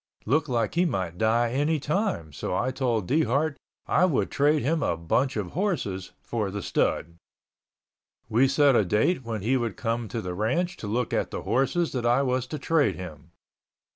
Looked like he might die any time, so I told Dehart I would trade him a bunch of horses for the stud. We set a date when he would come to the ranch to look at the horses that I was to trade him.